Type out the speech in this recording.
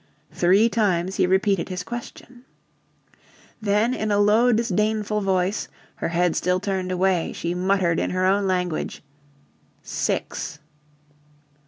Three times he repeated his question. Then in a low disdainful voice, her head still turned away, she muttered in her own language "Six."